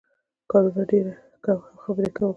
کارونه ډېر کوه او خبرې کمې کوه.